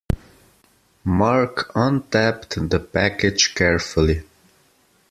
Mark untaped the package carefully.